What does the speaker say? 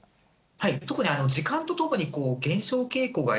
特に時間とともに減少傾向が